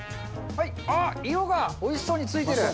あっ、色がおいしそうについてる。